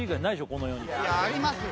この世にありますよ